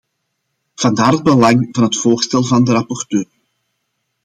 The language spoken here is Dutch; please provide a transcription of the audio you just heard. Vandaar het belang van het voorstel van de rapporteur.